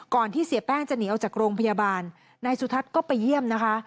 ที่เสียแป้งจะหนีออกจากโรงพยาบาลนายสุทัศน์ก็ไปเยี่ยมนะคะ